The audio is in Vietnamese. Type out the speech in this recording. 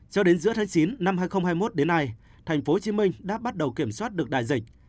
cho đến giữa tháng chín năm hai nghìn hai mươi một đến nay tp hcm đã bắt đầu kiểm soát được đại dịch